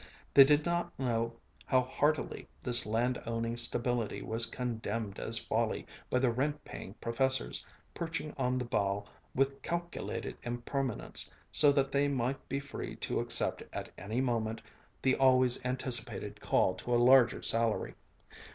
They did not know how heartily this land owning stability was condemned as folly by the rent paying professors, perching on the bough with calculated impermanence so that they might be free to accept at any moment the always anticipated call to a larger salary.